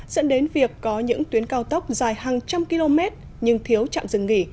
dẫn đến việc có những tuyến cao tốc dài hàng trăm km nhưng thiếu trạm dừng nghỉ